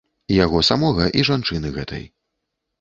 Яго самога і жанчыны гэтай.